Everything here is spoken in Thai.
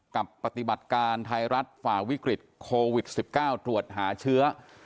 ปฏิบัติการไทยรัฐฝ่าวิกฤตโควิด๑๙ตรวจหาเชื้อ